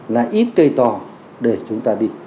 là ít cây to để chúng ta đi